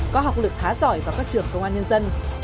có học lực khá giỏi vào các trường công an nhân dân